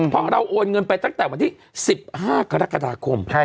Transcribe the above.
เพราะเราโอนเงินไปตั้งแต่วันที่๑๕กรกฎาคม